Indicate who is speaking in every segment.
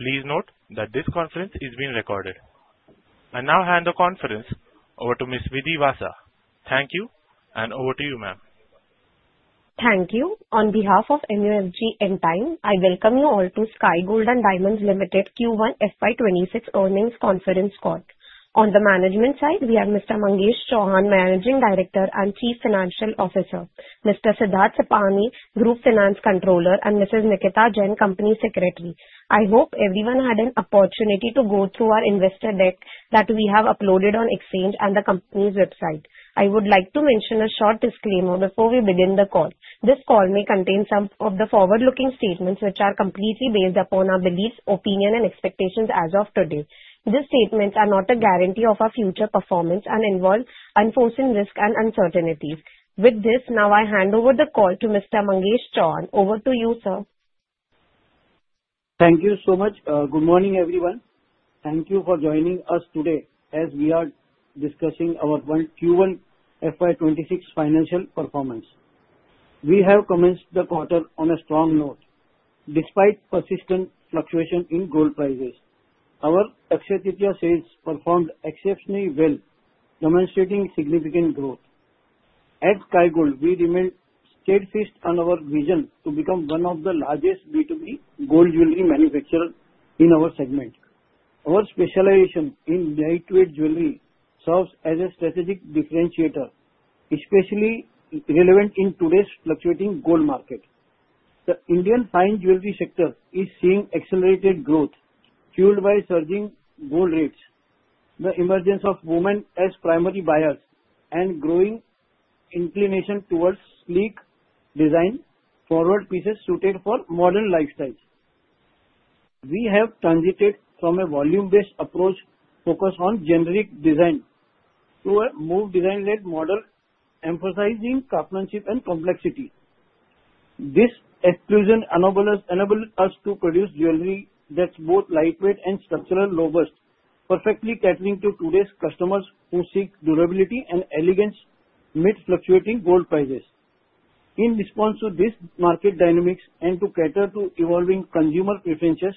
Speaker 1: Please note that this conference is being recorded. I now hand the conference over to Ms. Vidhi Vasa. Thank you. Over to you, ma'am.
Speaker 2: Thank you. On behalf of MUFG Intime, I welcome you all to Sky Gold Limited Q1 FY 2026 Earnings Conference Call. On the management side, we have Mr. Mangesh Chauhan, Managing Director and Chief Financial Officer, Mr. Siddharth Sipani, Group Finance Controller, and Mrs. Nikita Jain, Company Secretary. I hope everyone had an opportunity to go through our investor deck that we have uploaded on Exchange and the company's website. I would like to mention a short disclaimer before we begin the call. This call may contain some of the forward-looking statements, which are completely based upon our beliefs, opinion, and expectations as of today. These statements are not a guarantee of our future performance and involve unforeseen risks and uncertainties. With this, now I hand over the call to Mr. Mangesh Chauhan. Over to you, sir.
Speaker 3: Thank you so much. Good morning, everyone. Thank you for joining us today as we are discussing our Q1 FY 2026 financial performance. We have commenced the quarter on a strong note, despite persistent fluctuation in gold prices. Our Akshaya Tritiya sales performed exceptionally well, demonstrating significant growth. At Sky Gold, we remain steadfast on our vision to become one of the largest B2B gold jewelry manufacturers in our segment. Our specialization in lightweight jewelry serves as a strategic differentiator, especially relevant in today's fluctuating gold market. The Indian fine jewelry sector is seeing accelerated growth, fueled by surging gold rates, the emergence of women as primary buyers, and growing inclination towards sleek design, forward pieces suited for modern lifestyles. We have transited from a volume-based approach focused on generic design to a more design-led model, emphasizing craftsmanship and complexity. This exclusion enabled us to produce jewelry that's both lightweight and structurally robust, perfectly catering to today's customers who seek durability and elegance amid fluctuating gold prices. In response to this market dynamics and to cater to evolving consumer preferences,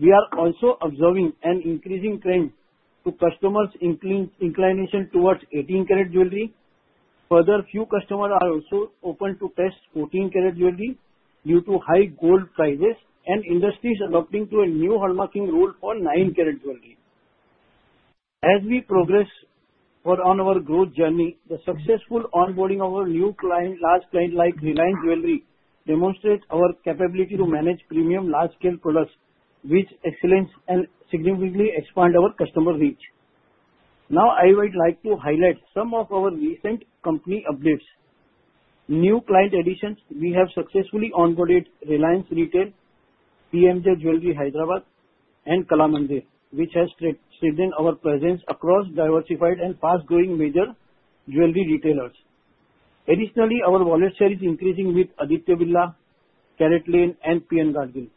Speaker 3: we are also observing an increasing trend to customers inclination towards 18 karat jewelry. Further, few customers are also open to test 14 karat jewelry due to high gold prices and industries adopting to a new hallmarking rule for 9 karat jewelry. As we progress on our growth journey, the successful onboarding of our new client, large client like Reliance Jewels, demonstrates our capability to manage premium large-scale products with excellence and significantly expand our customer reach. Now, I would like to highlight some of our recent company updates. New client additions. We have successfully onboarded Reliance Retail, PMJ Jewels Hyderabad, and Kalamandir Jewellers, which has strengthened our presence across diversified and fast-growing major jewelry retailers. Additionally, our wallet share is increasing with Aditya Birla, CaratLane, and P. N. Gadgil & Sons,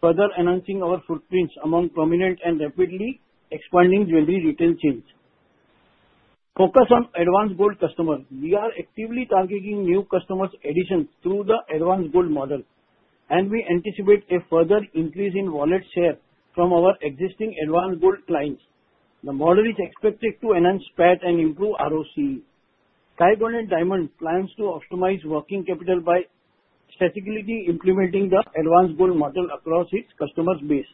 Speaker 3: further enhancing our footprints among prominent and rapidly expanding jewelry retail chains. Focus on advance gold customers. We are actively targeting new customers' additions through the advance gold model, and we anticipate a further increase in wallet share from our existing advance gold clients. The model is expected to enhance PAT and improve ROCE. Sky Gold and Diamonds plans to optimize working capital by strategically implementing the advance gold model across its customer base.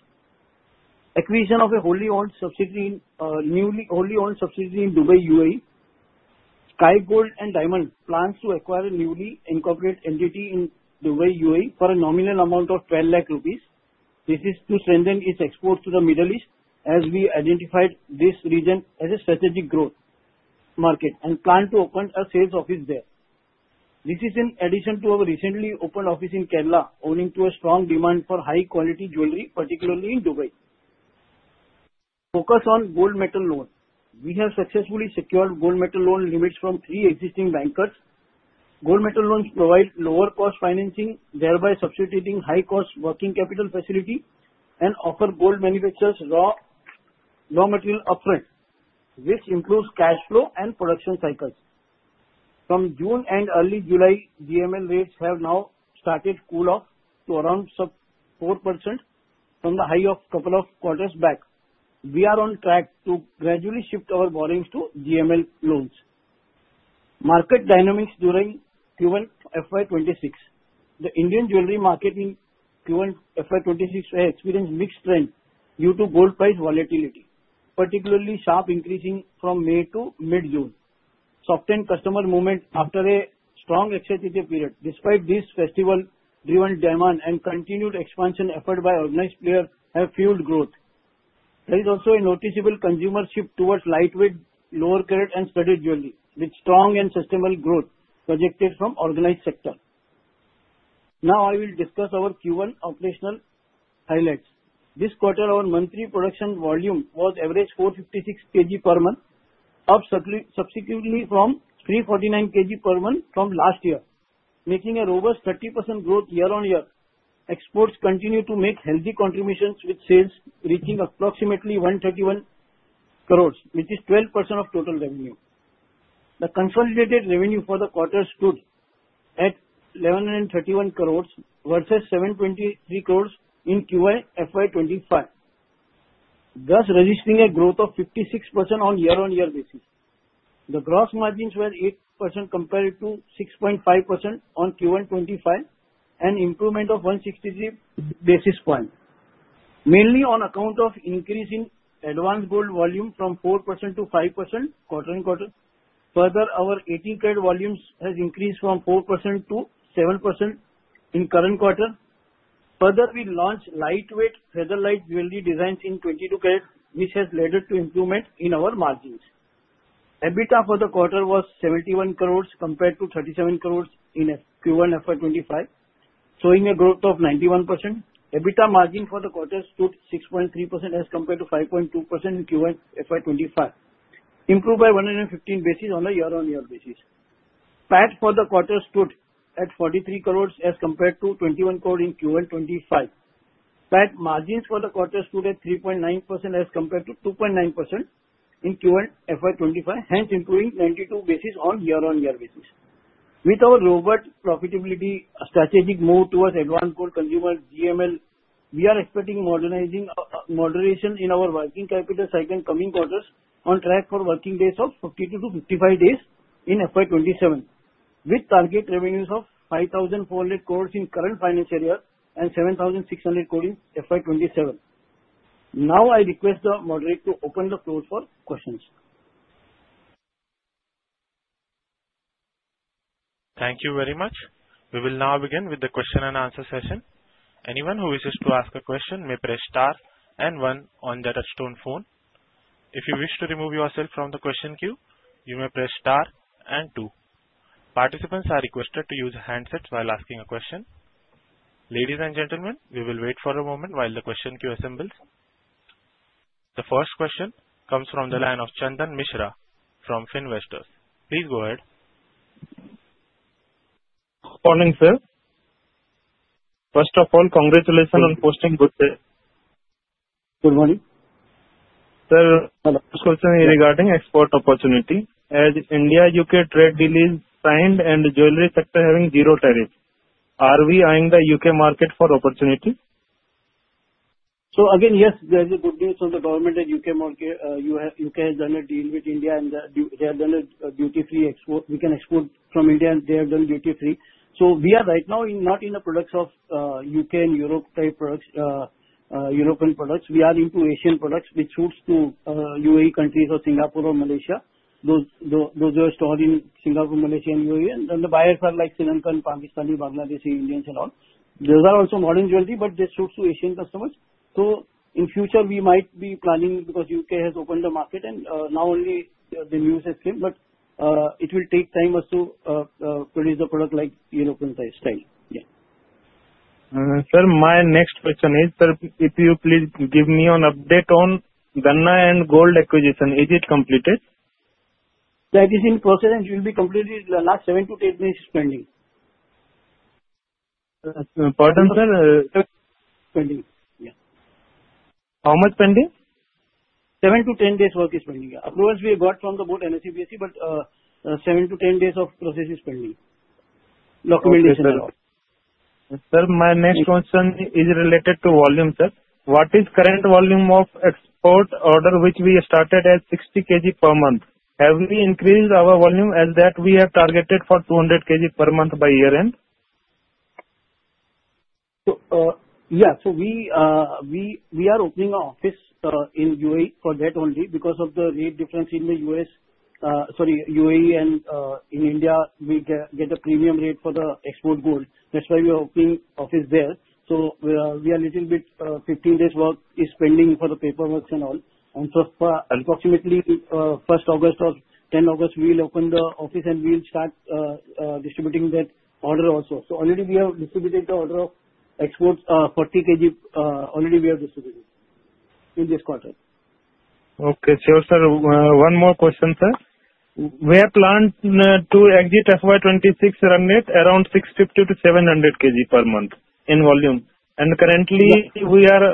Speaker 3: Acquisition of a wholly owned subsidiary in Dubai, UAE. Sky Gold and Diamonds plans to acquire a newly incorporated entity in Dubai, UAE, for a nominal amount of 12 lakh rupees. This is to strengthen its exports to the Middle East, as we identified this region as a strategic growth market and plan to open a sales office there. This is in addition to our recently opened office in Kerala, owing to a strong demand for high-quality jewelry, particularly in Dubai. Focus on Gold Metal Loans. We have successfully secured Gold Metal Loan limits from three existing bankers. Gold Metal Loans provide lower cost financing, thereby substituting high-cost working capital facility and offer gold manufacturers raw material upfront, which improves cash flow and production cycles. From June and early July, GML rates have now started cool off to around sub 4% from the high of couple of quarters back. We are on track to gradually shift our borrowings to GML Loans. Market dynamics during Q1 FY 26. The Indian jewelry market in Q1 FY 26 experienced mixed trends due to gold price volatility, particularly sharp increasing from May to mid-June. Softened customer movement after a strong Akshaya Tritiya period, despite this festival-driven demand and continued expansion effort by organized players, have fueled growth. There is also a noticeable consumer shift towards lightweight, lower karat and studied jewelry, with strong and sustainable growth projected from organized sector. I will discuss our Q1 operational highlights. This quarter, our monthly production volume was average 456 kg per month, up subsequently from 349 kg per month from last year, making a robust 30% growth year-on-year. Exports continue to make healthy contributions, with sales reaching approximately 131 crores, which is 12% of total revenue. The consolidated revenue for the quarter stood at 1,131 crores versus 723 crores in Q1 FY25, thus registering a growth of 56% on year-on-year basis. The gross margins were 8% compared to 6.5% on Q1 25, an improvement of 163 basis point, mainly on account of increase in advanced gold volume from 4%-5% quarter-on-quarter. Further, our 18 karat volumes has increased from 4%-7% in current quarter. Further, we launched lightweight, feather light jewelry designs in 22-karat, which has led to improvement in our margins. EBITDA for the quarter was 71 crores compared to 37 crores in Q1 FY25, showing a growth of 91%. EBITDA margin for the quarter stood 6.3% as compared to 5.2% in Q1 FY25, improved by 115 basis points on a year-on-year basis. PAT for the quarter stood at 43 crore as compared to 21 crore in Q1 25. PAT margins for the quarter stood at 3.9% as compared to 2.9% in Q1 FY25, improving 92 basis points on year-on-year basis. With our robust profitability strategic move towards advanced gold consumer GML, we are expecting moderation in our working capital cycle in coming quarters on track for working days of 52-55 days in FY27, with target revenues of 5,400 crore in current financial year and 7,600 crore in FY27. I request the moderator to open the floor for questions.
Speaker 1: Thank you very much. We will now begin with the question and answer session. Anyone who wishes to ask a question may press star and one on their touchtone phone. If you wish to remove yourself from the question queue, you may press star and two. Participants are requested to use handsets while asking a question. Ladies and gentlemen, we will wait for a moment while the question queue assembles. The first question comes from the line of Chandan Mishra from Finvesta. Please go ahead.
Speaker 4: Good morning, sir. First of all, congratulations on posting good day.
Speaker 3: Good morning.
Speaker 4: Sir-
Speaker 3: Hello.
Speaker 4: first question is regarding export opportunity. As India-UK trade deal is signed and the jewelry sector having 0 tariff, are we eyeing the UK market for opportunity?
Speaker 3: Again, yes, there's a good news from the government that UK market, UK has done a deal with India, they have done a duty-free export. We can export from India, they have done duty-free. We are right now not in the products of UK and Europe type products, European products. We are into Asian products, which suits to UAE countries or Singapore or Malaysia. Those are stored in Singapore, Malaysia, and UAE. The buyers are like Sri Lankan, Pakistani, Bangladeshi, Indians and all. Those are also modern jewelry, they suit to Asian customers. In future we might be planning, because UK has opened the market, now only the news has came, it will take time also to produce a product like European type style.
Speaker 4: Sir, my next question is, sir, if you please give me an update on Ghana N Gold acquisition, is it completed?
Speaker 3: That is in process, and it will be completed. Last seven to eight days, it's pending.
Speaker 4: Pardon, sir?
Speaker 3: Pending. Yeah.
Speaker 4: How much pending?
Speaker 3: 7-10 days work is pending. Approval we got from the board NSE, BSE, 7-10 days of process is pending. Documentation and all.
Speaker 4: Sir, my next question is related to volume, sir. What is current volume of export order, which we started at 60 kg per month? Have we increased our volume as that we have targeted for 200 kg per month by year end?
Speaker 3: Yeah. We are opening an office in UAE for that only because of the rate difference in the US, sorry, UAE and in India, we get a premium rate for the export gold. That's why we are opening office there. We are little bit, 15 days work is pending for the paper works and all. For approximately, 1st August or 10th August, we will open the office and we'll start distributing that order also. Already we have distributed the order of exports, 40 kg, already we have distributed in this quarter.
Speaker 4: Okay. Sure, sir. One more question, sir. We have planned to exit FY 2026 around 650 to 700 kg per month in volume.
Speaker 3: Yeah.
Speaker 4: We are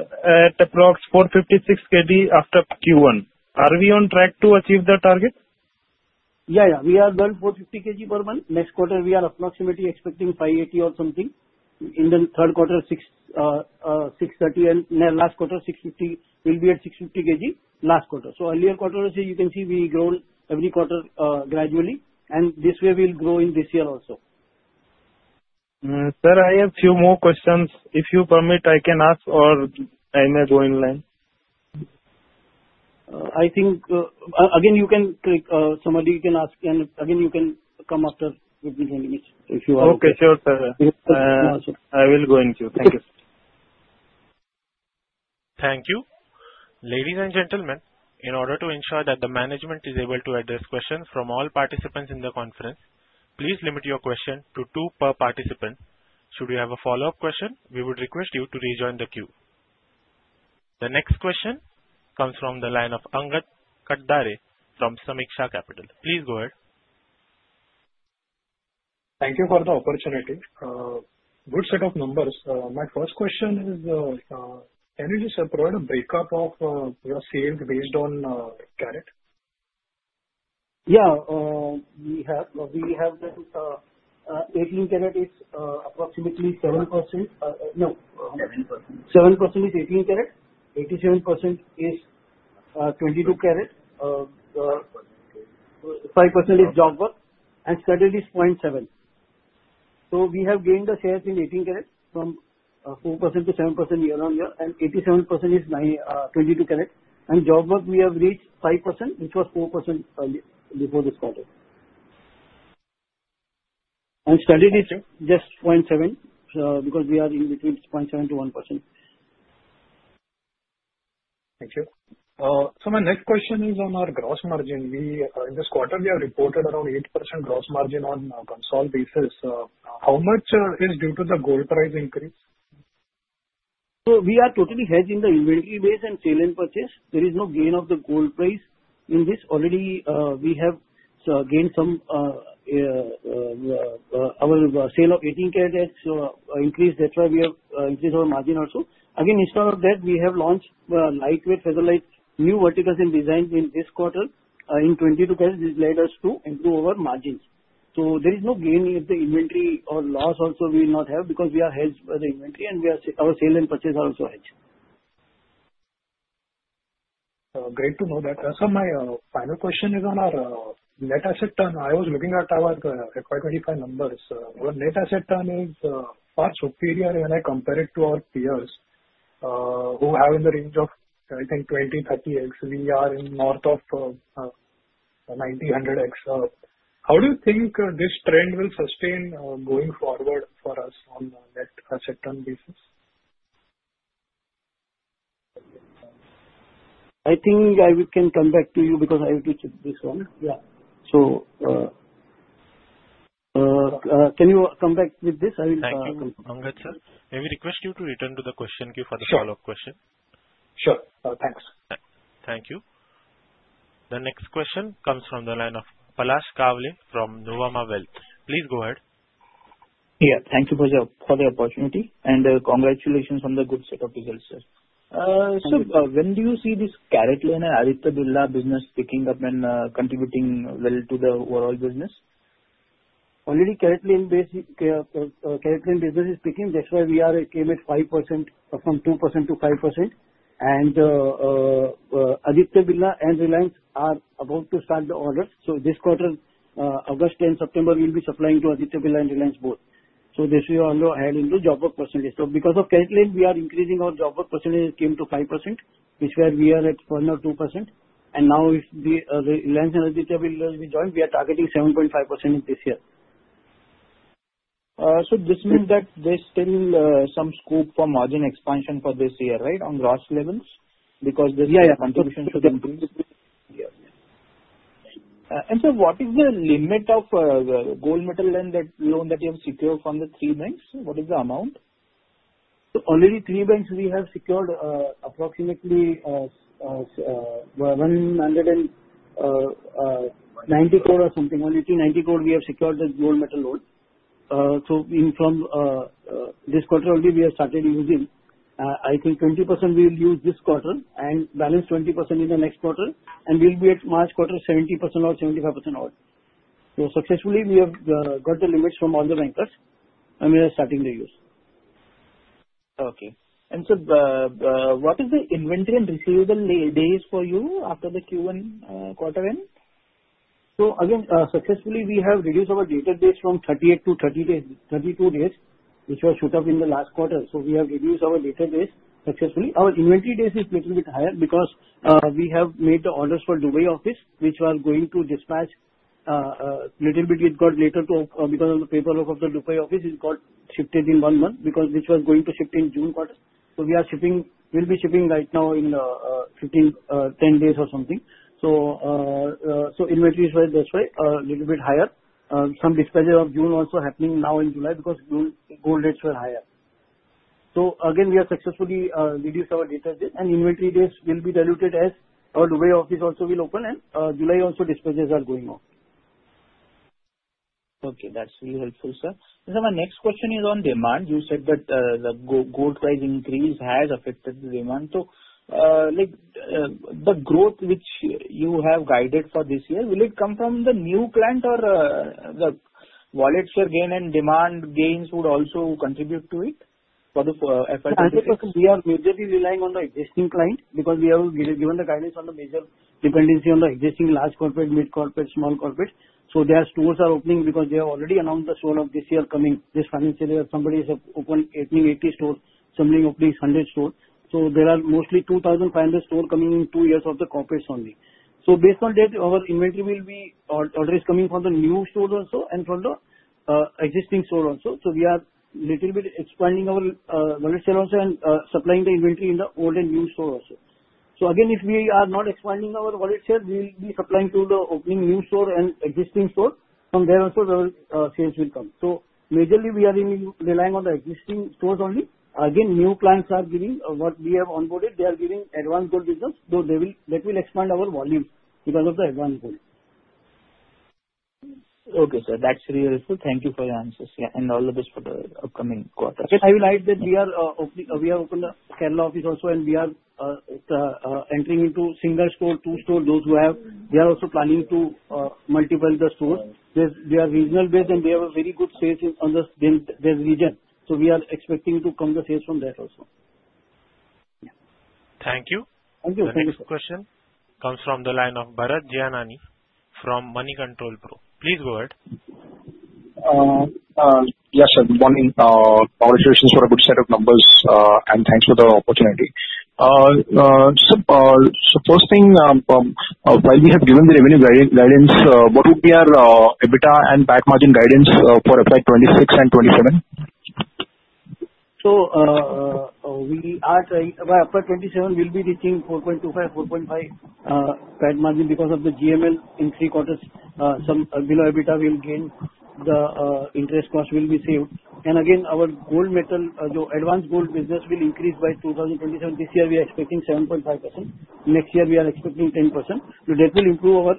Speaker 4: at approx 456 kg after Q1. Are we on track to achieve the target?
Speaker 3: Yeah, we have done 450 kg per month. Next quarter, we are approximately expecting 580 or something. In the third quarter, 630, and in the last quarter, we'll be at 650 kg last quarter. Earlier quarter also, you can see we grow every quarter gradually, and this way we'll grow in this year also.
Speaker 4: Sir, I have few more questions. If you permit, I can ask, or I may go in line.
Speaker 3: I think, again, you can click, somebody you can ask, and again, you can come after with the each if you want.
Speaker 4: Okay, sure, sir.
Speaker 3: Yes.
Speaker 4: I will go into. Thank you.
Speaker 1: Thank you. Ladies and gentlemen, in order to ensure that the management is able to address questions from all participants in the conference, please limit your question to two per participant. Should we have a follow-up question, we would request you to rejoin the queue. The next question comes from the line of Angad Katdare from Sameeksha Capital. Please go ahead.
Speaker 5: Thank you for the opportunity. Good set of numbers. My first question is, can you just provide a breakup of your sales based on carat?
Speaker 3: Yeah, we have the, 18 karat is, approximately 7%.
Speaker 5: 7%.
Speaker 3: Seven percent is eighteen carat, eighty-seven percent is, uh, twenty-two carat, uh, uh-
Speaker 5: 5%.
Speaker 3: 5% is job work, and studded is 0.7. We have gained the shares in 18 karat from 4%-7% year-on-year, and 87% is 22-carat. Job work we have reached 5%, which was 4% earlier, before this quarter. Studded is just 0.7, because we are in between 0.7%-1%.
Speaker 5: Thank you. My next question is on our gross margin. We in this quarter, we have reported around 8% gross margin on a consolidated basis. How much is due to the gold price increase?
Speaker 3: We are totally hedged in the inventory base and sale and purchase. There is no gain of the gold price in this. Already, we have gained some, our sale of 18 karat has increased, that's why we have increased our margin also. Instead of that, we have launched lightweight Feather Light, new verticals and designs in this quarter, in 22-carat, this led us to improve our margins. There is no gain in the inventory or loss also we not have, because we are hedged by the inventory and our sale and purchase are also hedged.
Speaker 5: Great to know that. My final question is on our net asset turnover. I was looking at our FY 2025 numbers. Our net asset turnover is far superior when I compare it to our peers, who have in the range of, I think, 20-30x. We are in north of 90 hundred x. How do you think this trend will sustain going forward for us on a net asset turnover basis?
Speaker 3: I think I will, can come back to you because I have to check this one.
Speaker 5: Yeah.
Speaker 3: So, uh, uh-
Speaker 5: Sure.
Speaker 3: can you come back with this? I will.
Speaker 1: Thank you, Angad sir. May we request you to return to the question queue.
Speaker 5: Sure.
Speaker 1: follow-up question?
Speaker 3: Sure. Thanks.
Speaker 1: Thank you. The next question comes from the line of Palash Kawale from Nova Wealth. Please go ahead.
Speaker 6: Yeah, thank you for the opportunity. Congratulations on the good set of results, sir.
Speaker 3: Thank you.
Speaker 6: When do you see this CaratLane and Aditya Birla business picking up and contributing well to the overall business?
Speaker 3: Already CaratLane base, CaratLane business is picking. That's why we are, came at 5%, from 2%-5%. Aditya Birla and Reliance are about to start the order. This quarter, August and September, we'll be supplying to Aditya Birla and Reliance both. This will also add into job work percentage. Because of CaratLane, we are increasing our job work percentage came to 5%, which where we are at 1% or 2%. Now if the Reliance and Aditya Birla will join, we are targeting 7.5% this year.
Speaker 6: This means that there's still some scope for margin expansion for this year, right, on gross levels?
Speaker 3: Yeah, yeah.
Speaker 6: Contribution to the business. Yeah. What is the limit of the Gold Metal Loan that you have secured from the 3 banks? What is the amount?
Speaker 3: Already 3 banks we have secured, approximately 190 crore or something. On 1,890 crore, we have secured the Gold Metal Loan. In from this quarter only, we have started using. I think 20% we will use this quarter, and balance 20% in the next quarter, and we'll be at March quarter, 70% or 75% out. Successfully, we have got the limits from all the bankers and we are starting the use.
Speaker 6: Okay. The, what is the inventory and receivable days for you after the Q1 quarter end?
Speaker 3: Again, successfully, we have reduced our debtor days from 38 to 30 days, 32 days, which was shoot up in the last quarter. We have reduced our debtor days successfully. Our inventory days is little bit higher because we have made the orders for Dubai office, which are going to dispatch. Little bit it got later to because of the paperwork of the Dubai office, it got shifted in 1 month, because which was going to shift in June quarter. We'll be shipping right now in 15, 10 days or something. Inventories were that's why little bit higher. Some dispatch of June also happening now in July, because June gold rates were higher. Again, we have successfully reduced our debtor days, and inventory days will be diluted as our Dubai office also will open and July also dispatches are going on.
Speaker 6: Okay, that's really helpful, sir. My next question is on demand. You said that the gold price increase has affected the demand. The growth which you have guided for this year, will it come from the new client or the wallet share gain and demand gains would also contribute to it for the FY 2025?
Speaker 3: We are majorly relying on the existing client because we have given the guidance on the major dependency on the existing large corporate, mid corporate, small corporate. Their stores are opening because they have already announced the store of this year coming. This financial year, somebody has opened 80 stores, somebody opening 100 stores. There are mostly 2,500 store coming in 2 years of the corporates only. Based on that, our order is coming from the new stores also and from the existing store also. We are little bit expanding our wallet share also and supplying the inventory in the old and new store also. Again, if we are not expanding our wallet share, we will be supplying to the opening new store and existing stores. From there also, our sales will come. Majorly we are relying on the existing stores only. New clients are giving, what we have onboarded, they are giving advance gold business, though that will expand our volume because of the advanced business.
Speaker 6: Okay, sir, that's very helpful. Thank you for your answers. Yeah, all the best for the upcoming quarters.
Speaker 3: I will add that we have opened a Kerala office also, and we are entering into 1 store, 2 store, those who have. We are also planning to multiply the stores. They are regional-based, and we have a very good sales in on the their region, so we are expecting to come the sales from that also.
Speaker 1: Thank you.
Speaker 3: Thank you.
Speaker 1: The next question comes from the line of Bharat Gianani from Moneycontrol Pro. Please go ahead.
Speaker 7: Yes, sir, good morning. Congratulations for a good set of numbers, thanks for the opportunity. First thing, while we have given the revenue guidance, what would be our EBITDA and PAT margin guidance for FY26 and FY27?
Speaker 3: We are trying, by FY 2027, we'll be reaching 4.25-4.5% PAT margin because of the GML in 3 quarters. Some below EBITDA will gain, the interest cost will be saved. Again, our gold metal, the advanced gold business will increase by 2027. This year, we are expecting 7.5%. Next year, we are expecting 10%. That will improve our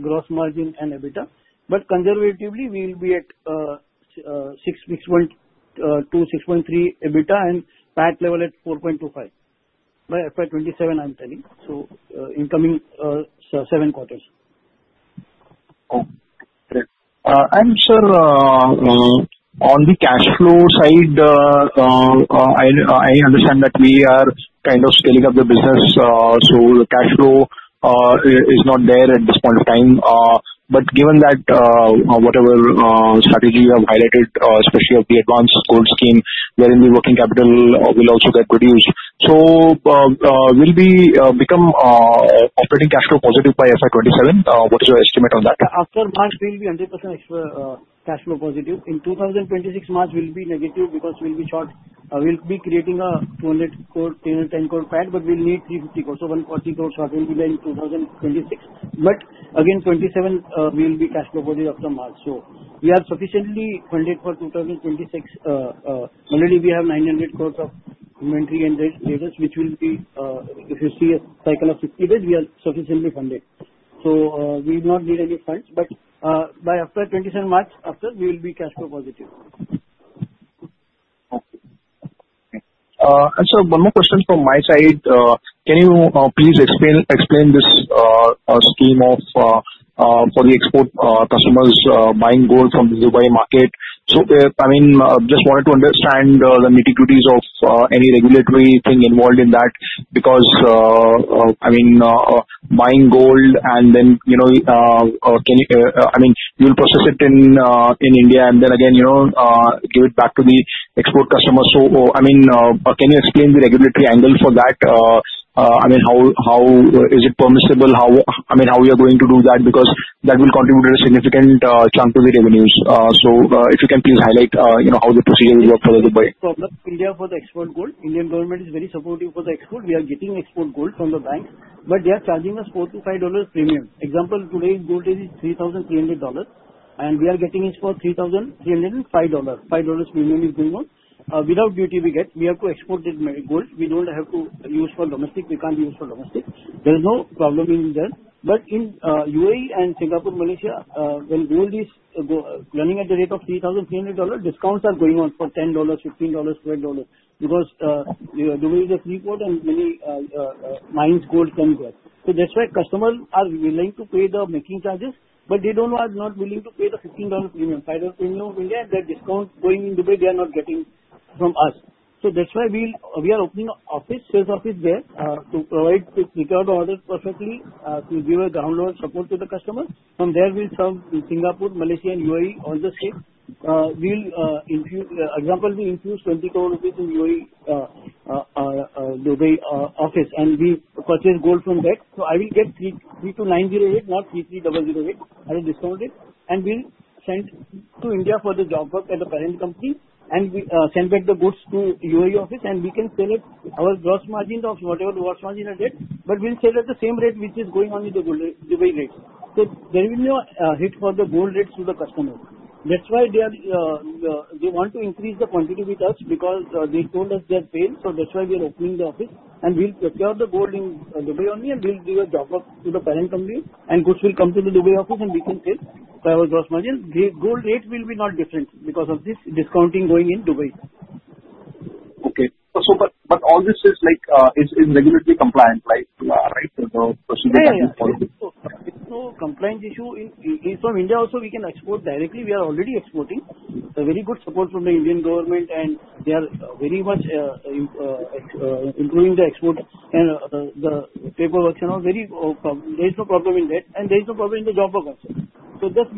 Speaker 3: gross margin and EBITDA. Conservatively, we will be at 6.2-6.3% EBITDA and PAT level at 4.25%, by FY 2027, I'm telling. In coming 7 quarters.
Speaker 7: Great. Sir, on the cash flow side, I understand that we are kind of scaling up the business, the cash flow is not there at this point in time. Given that, whatever strategy you have highlighted, especially of the Advance Gold scheme, wherein the working capital will also get reduced. Will become operating cash flow positive by FY 2027? What is your estimate on that?
Speaker 3: After March, we will be 100% cash flow positive. In 2026, March will be negative because we'll be short. We'll be creating a 200 crore, 10 crore PAT, but we'll need 350 crore. 130 crore short will be there in 2026. Again, 2027, we will be cash flow positive after March. We are sufficiently funded for 2026. Already we have 900 crore of inventory and debt levers, which will be, if you see a cycle of 50 days, we are sufficiently funded. We will not need any funds, but, by FY 2027 March after, we will be cash flow positive.
Speaker 7: Sir, one more question from my side. Can you please explain this scheme of for the export customers buying gold from the Dubai market? I mean, just wanted to understand the nitty-gritties of any regulatory thing involved in that, because, I mean, buying gold and then, you know, can you, I mean, you'll process it in India, and then again, you know, give it back to the export customer. I mean, can you explain the regulatory angle for that? I mean, how is it permissible? I mean, how we are going to do that? Because that will contribute a significant chunk to the revenues. If you can please highlight, you know, how the procedure will work for the Dubai.
Speaker 3: No problem. India, for the export gold, Indian government is very supportive for the export. We are getting export gold from the banks, but they are charging us $4-$5 premium. Example, today's gold is $3,300, and we are getting it for $3,305. $5 premium is going on. Without duty we get, we have to export that gold. We don't have to use for domestic, we can't use for domestic. There's no problem in there. In UAE and Singapore, Malaysia, when gold is running at the rate of $3,300, discounts are going on for $10, $15, $20, because Dubai is a free port and many mines gold come there. That's why customers are willing to pay the making charges, but they don't want, not willing to pay the $15 premium, $5 premium of India. That discount going in Dubai, they are not getting from us. That's why we are opening a office, sales office there, to provide, to pick out orders perfectly, to give a ground support to the customer. From there, we'll serve Singapore, Malaysia, and UAE, all the states. We'll infuse, example, we infuse 20 crore rupees in UAE, Dubai office, and we purchase gold from that. I will get 3,908, not 3,308. I will discount it, and we'll send to India for the job work at the parent company, and we send back the goods to UAE office, and we can sell it. Our gross margins of whatever the gross margin are there, but we'll sell at the same rate, which is going on with the gold rate, Dubai rate. There will be no hit for the gold rates to the customer. That's why they want to increase the quantity with us because they told us their sales. That's why we are opening the office, and we'll secure the gold in Dubai only, and we'll give a drop off to the parent company, and goods will come to the Dubai office, and we can sell by our gross margin. The gold rates will be not different because of this discounting going in Dubai.
Speaker 7: Okay. But all this is like, is regulatory compliant, like, right?
Speaker 3: Yeah, yeah. There's no compliance issue. From India also, we can export directly. We are already exporting. A very good support from the Indian government, they are very much improving the export and the paperwork and all. Very, there is no problem in that. There is no problem in the job work also. That's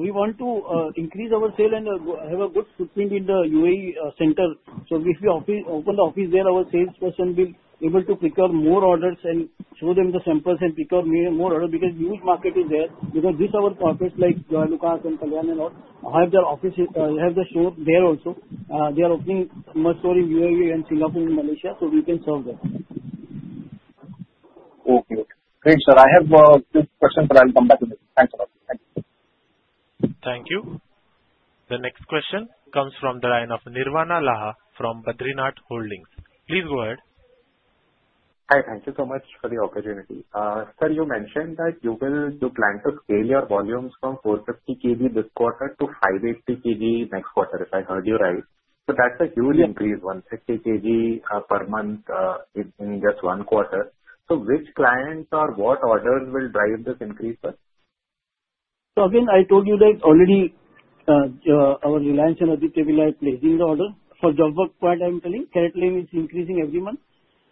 Speaker 3: we want to increase our sale and have a good footprint in the UAE center. If we open the office there, our sales person will be able to pick up more orders and show them the samples and pick up more orders, because huge market is there. This our corporates, like Lucas and Kalyan Jewellers and all, have their offices, have their store there also. They are opening more store in UAE and Singapore and Malaysia, so we can serve them.
Speaker 7: Okay. Great, sir. I have few questions. I'll come back to this. Thanks a lot. Thank you.
Speaker 1: Thank you. The next question comes from the line of Nirvana Laha from Badrinath Holdings. Please go ahead.
Speaker 8: Hi, thank you so much for the opportunity. Sir, you mentioned that you plan to scale your volumes from 450 kg this quarter to 580 kg next quarter, if I heard you right. That's a huge increase, 160 kg per month in just one quarter. Which clients or what orders will drive this increase, sir?
Speaker 3: Again, I told you that already, our Reliance and Aditya Birla are placing the order. For job work point I'm telling, currently is increasing every month.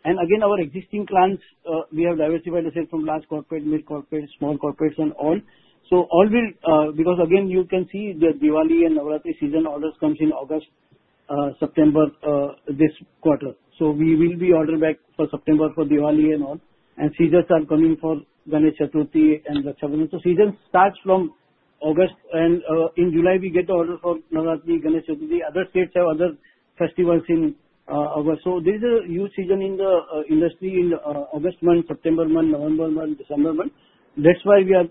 Speaker 3: Again, our existing clients, we have diversified ourselves from large corporate, mid corporate, small corporations, all. All will, because again, you can see the Diwali and Navratri season orders comes in August, September, this quarter. We will be order back for September, for Diwali and all. Seasons are coming for Ganesh Chaturthi and Raksha Bandhan. Season starts from August, and in July we get the order for Navratri, Ganesh Chaturthi. Other states have other festivals in August. This is a huge season in the industry in August month, September month, November month, December month. That's why we are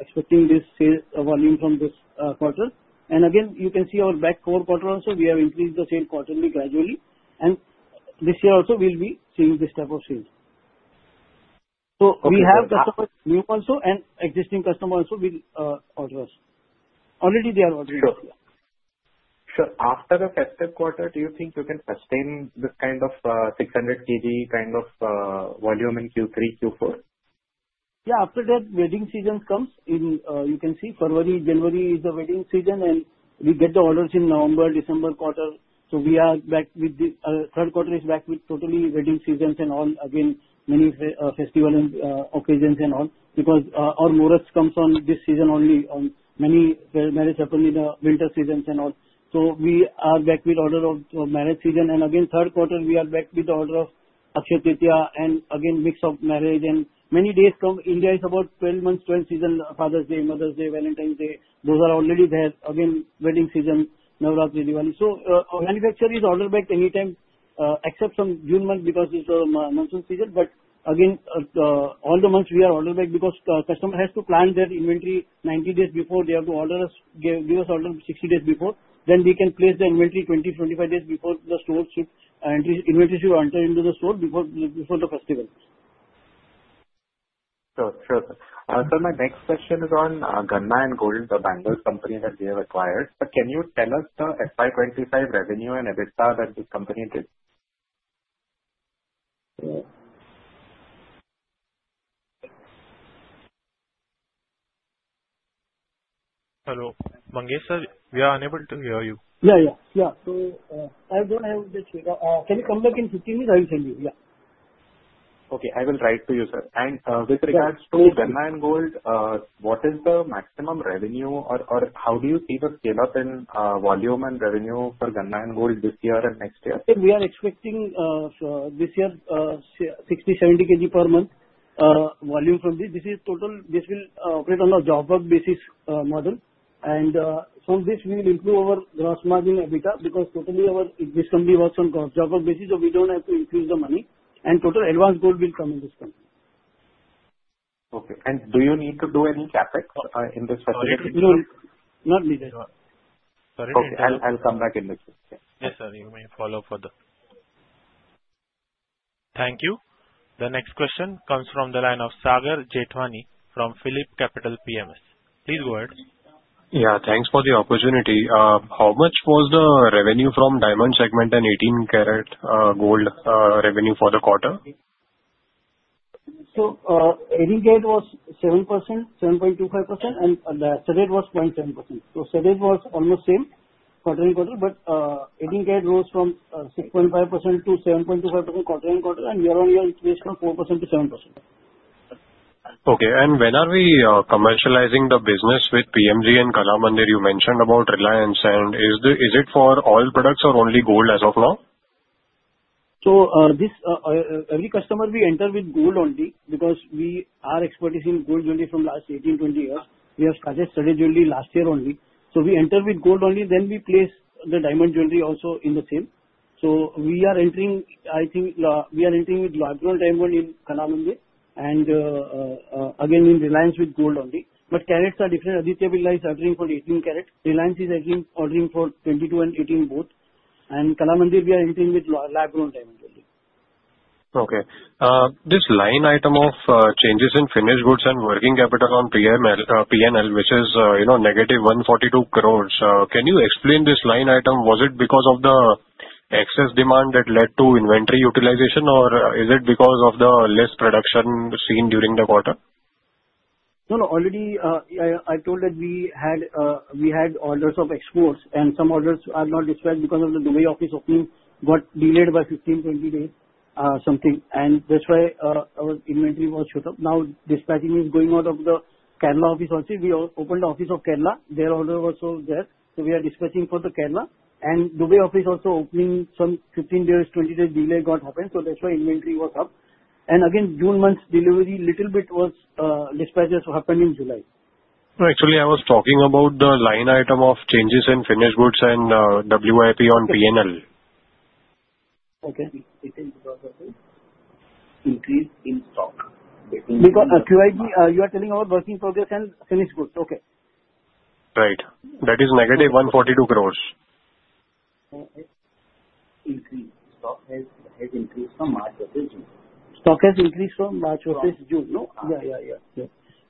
Speaker 3: expecting this sales volume from this quarter. Again, you can see our back 4 quarter also, we have increased the sale quarterly, gradually, and this year also we'll be seeing this type of sales. We have customers, new also and existing customer also will order us. Already they are ordering.
Speaker 8: Sure. After the festive quarter, do you think you can sustain this kind of, 600 kg kind of, volume in Q3, Q4?
Speaker 3: After that, wedding season comes in, you can see February, January is the wedding season. We get the orders in November, December quarter. We are back with the third quarter is back with totally wedding seasons and all again, many festival and occasions and all. Our orders comes on this season only, many marriage happen in the winter seasons and all. We are back with order of marriage season, and again, third quarter we are back with the order of Akshaya Tritiya and again, mix of marriage and many days come. India is about 12 months, 12 season, Father's Day, Mother's Day, Valentine's Day, those are already there. Again, wedding season, Navratri, Diwali. Our manufacturer is order back anytime, except from June month, because it's a monsoon season. Again, all the months we are order back because the customer has to plan their inventory 90 days before they have to order us, give us order 60 days before. We can place the inventory 20-25 days before the store ships, and this inventory should enter into the store before the festivals.
Speaker 8: Sure. Sure, sir. sir, my next question is on Ganna Gold, the Bangalore company that we have acquired. Can you tell us the FY 25 revenue and EBITDA that this company did?
Speaker 1: Hello, Mangesh, sir, we are unable to hear you.
Speaker 9: Yeah. I don't have this data. Can you come back in 15 minutes? I will send you. Yeah.
Speaker 8: Okay, I will write to you, sir.
Speaker 3: Yeah.
Speaker 8: With regards to Ganna Gold, what is the maximum revenue or how do you see the scale up in volume and revenue for Ganna Gold this year and next year?
Speaker 3: Sir, we are expecting this year 60, 70 kg per month volume from this. This is total, this will operate on a job work basis model. From this we will improve our gross margin EBITDA, because totally This company works on job work basis, so we don't have to increase the money, and total advanced gold will come in this company.
Speaker 8: Okay. Do you need to do any CapEx?
Speaker 3: No, not needed.
Speaker 8: Okay. I'll come back in this.
Speaker 1: Yes, sir, you may follow further. Thank you. The next question comes from the line of Sagar Jethwani from PhillipCapital PMS. Please go ahead.
Speaker 10: Yeah, thanks for the opportunity. How much was the revenue from diamond segment and 18 karat gold revenue for the quarter?
Speaker 3: 18 karat was 7%, 7.25%, and the solid was 0.10%. Solid was almost same quarter-in-quarter, but 18 karat rose from 6.5%-7.25% quarter-in-quarter, and year-on-year increased from 4%-7%.
Speaker 10: Okay. When are we commercializing the business with PMJ and Kalamandir? You mentioned about Reliance. Is it for all products or only gold as of now?
Speaker 3: This, every customer we enter with gold only because our expertise in gold jewelry from last 18, 20 years. We have started solid jewelry last year only. We enter with gold only, then we place the diamond jewelry also in the same. We are entering, I think, we are entering with lab-grown diamond in Kalamandir, and again, in Reliance with gold only. Karats are different. Aditya Birla is ordering for 18 karats, Reliance is again ordering for 22 and 18 both, and Kalamandir we are entering with lab-grown diamond only.
Speaker 10: Okay. This line item of changes in finished goods and working capital on PML, PNL, which is, you know, negative 142 crores. Can you explain this line item? Was it because of the excess demand that led to inventory utilization, or is it because of the less production seen during the quarter?
Speaker 3: No, already, yeah, I told that we had orders of exports, some orders are not dispatched because of the Dubai office opening got delayed by 15, 20 days, something. That's why, our inventory was shut up. Now, dispatching is going out of the Kerala office also. We opened the office of Kerala. Their order was also there, so we are dispatching for the Kerala. Dubai office also opening some 15 days, 20 days delay got happened, so that's why inventory was up. Again, June month's delivery, little bit was, dispatches happened in July.
Speaker 10: No, actually, I was talking about the line item of changes in finished goods and WIP on PNL.
Speaker 3: Okay.
Speaker 10: It is because of increase in stock.
Speaker 3: QIG, you are telling our work in progress and finished goods. Okay.
Speaker 10: Right. That is -142 crores.
Speaker 11: It's increased. Stock has increased from March to June.
Speaker 3: Stock has increased from March to June, no?
Speaker 11: Yeah.
Speaker 3: Yeah.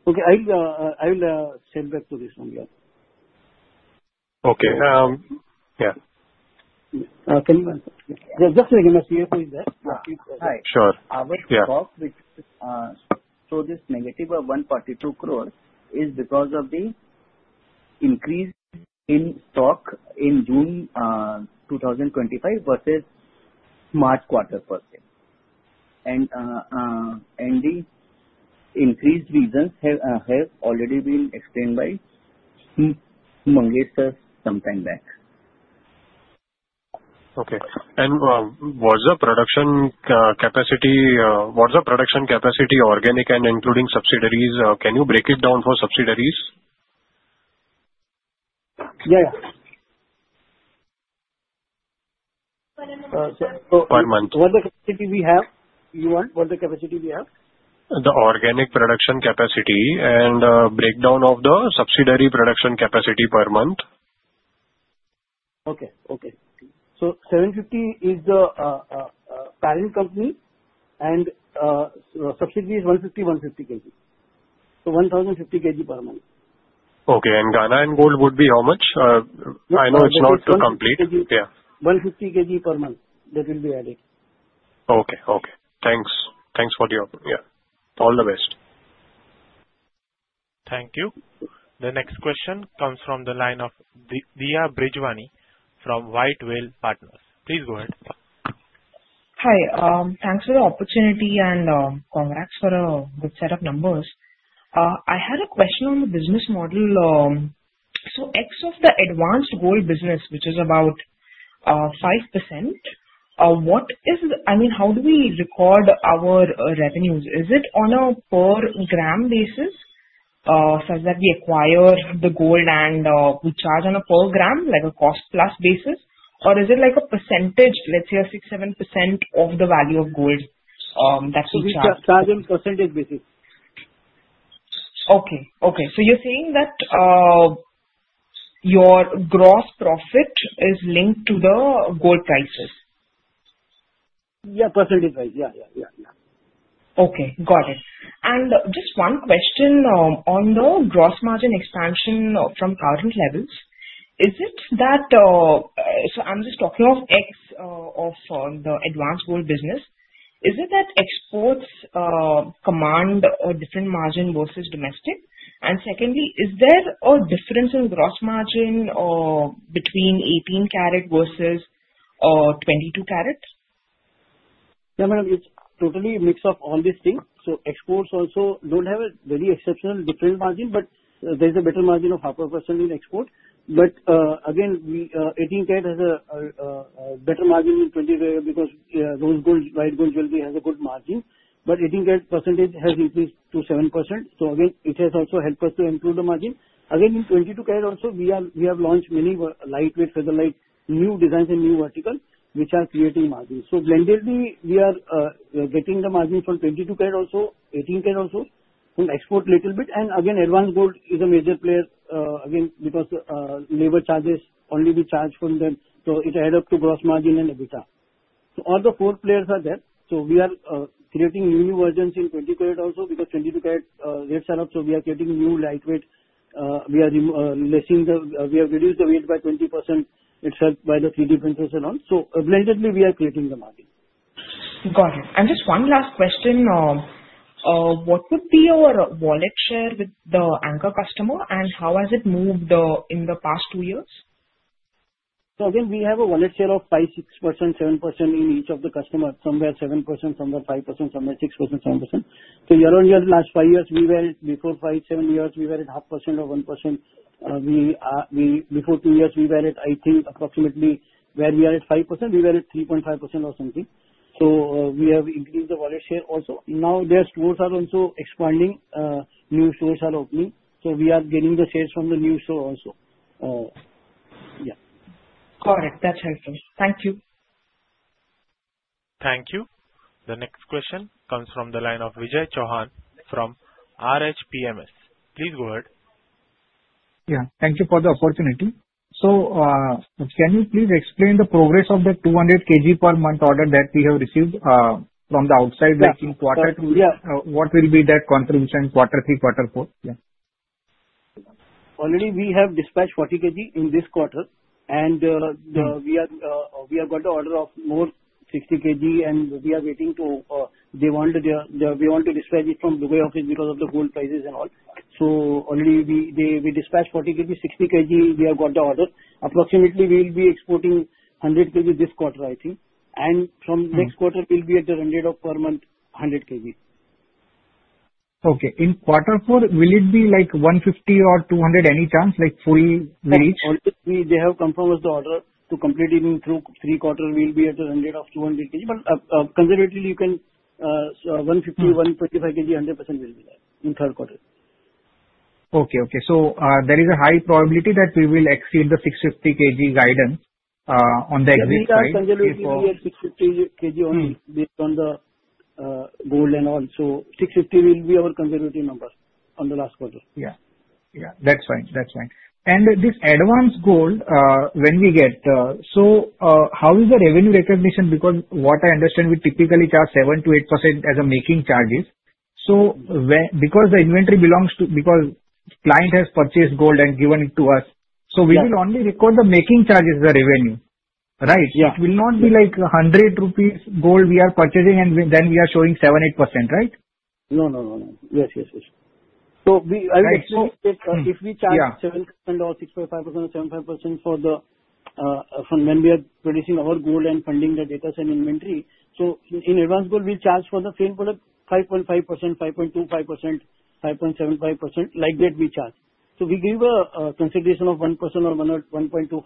Speaker 3: Okay, I'll send back to this one. Yeah.
Speaker 10: Okay. Yeah.
Speaker 3: Can you answer? Just again, the CFO is there.
Speaker 11: Hi.
Speaker 10: Sure. Yeah.
Speaker 11: Our stock, which, show this negative of 1.2 crore is because of the increase in stock in June, 2025 versus March quarter. The increased reasons have already been explained by Mangesh, sir, sometime back.
Speaker 10: Okay. What's the production capacity, organic and including subsidiaries? Can you break it down for subsidiaries?
Speaker 3: Yeah, yeah.
Speaker 10: Per month, sir. Per month.
Speaker 3: What the capacity we have? You want what the capacity we have?
Speaker 10: The organic production capacity and breakdown of the subsidiary production capacity per month.
Speaker 3: Okay. 750 is the parent company, and subsidiary is 150 kg. 1,050 kg per month.
Speaker 10: Okay, Ganna Gold would be how much? I know it's not complete.
Speaker 3: 150 kg.
Speaker 10: Yeah.
Speaker 3: 150 kg per month, that will be added.
Speaker 10: Okay, okay. Thanks. Thanks for your... Yeah, all the best.
Speaker 1: Thank you. The next question comes from the line of Diya Brijwani from White Whale Partners. Please go ahead.
Speaker 12: Hi. Thanks for the opportunity and congrats for a good set of numbers. I had a question on the business model. X of the advanced gold business, which is about 5%, I mean, how do we record our revenues? Is it on a per gram basis, such that we acquire the gold and we charge on a per gram, like a cost plus basis? Or is it like a percentage, let's say a 6%, 7% of the value of gold, that we charge?
Speaker 3: We charge in percentage basis.
Speaker 12: Okay, okay. You're saying that your gross profit is linked to the gold prices?
Speaker 3: Yeah, percentage-wise. Yeah, yeah, yeah.
Speaker 12: Okay, got it. Just 1 question, on the gross margin expansion from current levels, So I'm just talking of X of the advanced gold business. Is it that exports command a different margin versus domestic? Secondly, is there a difference in gross margin between 18 karat versus 22-carat?
Speaker 3: No, ma'am, it's totally a mix of all these things. Exports also don't have a very exceptional different margin, but there's a better margin of half a percent in exports. Again, we 18 karat has a better margin in 22-carat, because those gold, white gold jewelry has a good margin, but 18 karat percentage has increased to 7%. Again, it has also helped us to improve the margin. Again, in 22-carat also we have launched many lightweight, featherlight, new designs and new verticals, which are creating margin. Blendedly, we are getting the margin from 22-carat also, 18 karat also, from export little bit, and again, advanced gold is a major player, again, because labor charges only be charged from them, so it add up to gross margin and EBITDA. All the four players are there. We are creating new versions in 22-carat also, because 22-carat rates are up, we are creating new lightweight. We have reduced the weight by 20% itself by the three differences and on. Blendedly, we are creating the margin.
Speaker 12: Got it. Just 1 last question, what would be your wallet share with the anchor customer, and how has it moved in the past 2 years?
Speaker 3: Again, we have a wallet share of 5%, 6%, 7% in each of the customers. Somewhere 7%, somewhere 5%, somewhere 6%, 7%. Year-on-year, in the last 5 years, we were at before 5, 7 years, we were at 0.5% or 1%. We before 2 years, we were at, I think, approximately where we are at 5%, we were at 3.5% or something. We have increased the wallet share also. Now, their stores are also expanding, new stores are opening, so we are getting the shares from the new store also. Yeah.
Speaker 12: Got it. That's helpful. Thank you.
Speaker 1: Thank you. The next question comes from the line of Vijay Chauhan from RHPMS. Please go ahead.
Speaker 13: Yeah. Thank you for the opportunity. Can you please explain the progress of the 200 kg per month order that we have received from the outside back in quarter two?
Speaker 3: Yeah.
Speaker 13: What will be that contribution in quarter three, quarter four? Yeah.
Speaker 3: Already we have dispatched 40 kg in this quarter, and we have got the order of more 60 kg, and we are waiting to, they want to dispatch it from Dubai office because of the gold prices and all. Already we dispatched 40 kg, 60 kg, we have got the order. Approximately we'll be exporting 100 kg this quarter, I think, and from next quarter. We'll be at the range of per month, 100 kg.
Speaker 13: Okay. In quarter four, will it be like 150 or 200, any chance, like fully reach?
Speaker 3: They have confirmed the order to complete it through three quarter, we'll be at the range of 200 kg. Conservatively, you can. 125 kg, 100% will be there in third quarter.
Speaker 13: Okay, okay. There is a high probability that we will exceed the 650 kg guidance on the export side?
Speaker 3: We are conservatively at 650 kg only. Based on the gold and all. 650 will be our conservative number on the last quarter.
Speaker 13: Yeah. Yeah, that's fine. That's fine. This advance gold, when we get, so, how is the revenue recognition? Because what I understand, we typically charge 7%-8% as a making charges. Because the inventory belongs to... Because client has purchased gold and given it to us, so we will...
Speaker 3: Yeah.
Speaker 13: only record the making charge as the revenue, right?
Speaker 3: Yeah.
Speaker 13: It will not be like 100 rupees gold we are purchasing, and we, then we are showing 7%, 8%, right?
Speaker 3: No, no. Yes, yes.
Speaker 13: Right.
Speaker 3: If we charge
Speaker 13: Yeah.
Speaker 3: 7% or 6.5% or 7.5% for the from when we are producing our gold and funding the data center inventory. In Advance Gold, we charge for the same product 5.5%, 5.25%, 5.75%, like that we charge. We give a consideration of 1% or 1 or 1.25%,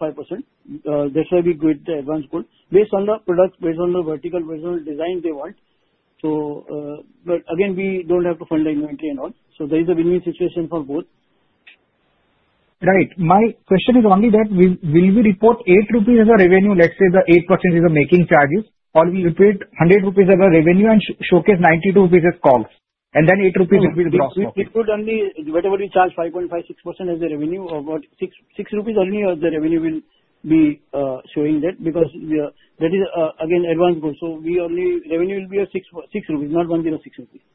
Speaker 3: that's why we do it the Advance Gold. Based on the product, based on the vertical design they want. Again, we don't have to fund the inventory and all, there is a win-win situation for both.
Speaker 13: Right. My question is only that, will we report 8 rupees as a revenue, let's say the 8% is a making charges, or we will put 100 rupees as a revenue and showcase 92 rupees as cost, and then 8 rupees will be the gross profit?
Speaker 3: We put only whatever we charge 5.5%, 6% as the revenue, about 6 rupees only of the revenue will be showing that, because That is again, advance gold. Revenue will be a 6 rupees, not 106 rupees.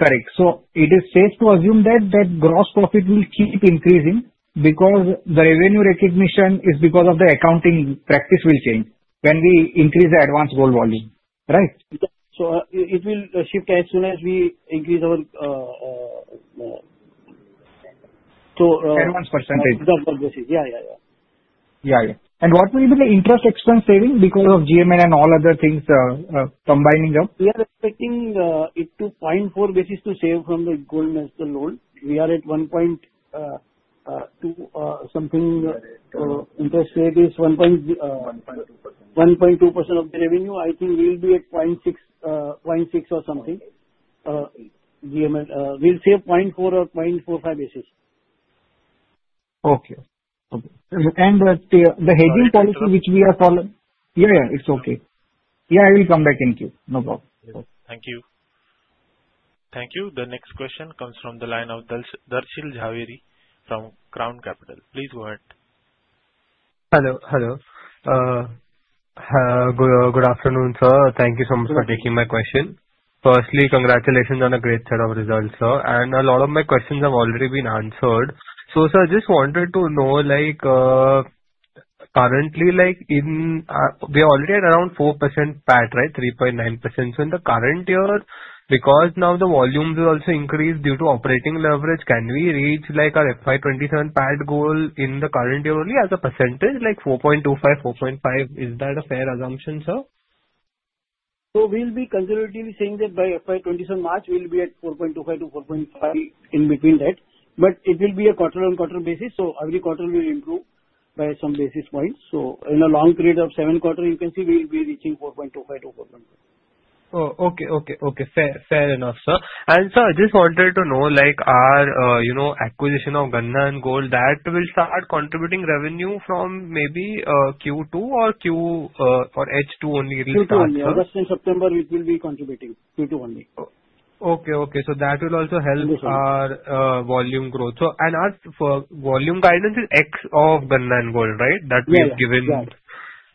Speaker 13: Correct. It is safe to assume that gross profit will keep increasing because the revenue recognition is because of the accounting practice will change when we increase the advance gold volume, right?
Speaker 3: it will shift as soon as we increase our.
Speaker 13: Advance percentage.
Speaker 3: Yeah, yeah.
Speaker 13: Yeah, yeah. What will be the interest expense saving because of GML and all other things, combining them?
Speaker 3: We are expecting, it to .4 basis to save from the Gold Metal Loan. We are at 1.2, something, interest rate is.
Speaker 1: 1.2%.
Speaker 3: 1.2% of the revenue, I think we'll be at 0.6, 0.6 or something. GML, we'll save 0.4 or 0.45 basis. Okay. Okay. The hedging policy which we are following... Yeah, it's okay. Yeah, I will come back to you. No problem.
Speaker 13: Thank you.
Speaker 1: Thank you. The next question comes from the line of Darshan Jhaveri from Crown Capital. Please go ahead.
Speaker 14: Hello. Hi, good afternoon, sir. Thank you so much for taking my question. Firstly, congratulations on a great set of results, sir. A lot of my questions have already been answered. Sir, I just wanted to know, like, currently, we're already at around 4% PAT, right? 3.9%. In the current year, because now the volumes will also increase due to operating leverage, can we reach, like, our FY 2027 PAT goal in the current year only as a percentage, like 4.25%, 4.5%? Is that a fair assumption, sir?
Speaker 3: We'll be conservatively saying that by FY 2027 March, we'll be at 4.25 to 4.5, in between that. It will be a quarter-on-quarter basis. Every quarter will improve by some basis points. In a long period of 7 quarter, you can see we'll be reaching 4.25 to 4.5.
Speaker 14: Oh, okay, okay. Fair, fair enough, sir. Sir, I just wanted to know, like, our, you know, acquisition of Ganna Gold, that will start contributing revenue from maybe Q2 or H2 only it will start, right?
Speaker 3: Q2 only. August and September, it will be contributing, Q2 only.
Speaker 14: Okay, okay. That will also help...
Speaker 3: Yes, sir.
Speaker 14: -our volume growth. And our volume guidance is X of Ganna Gold, right?
Speaker 3: Yeah, yeah.
Speaker 14: That we have given.